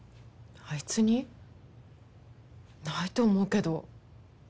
あいつに？ないと思うけど。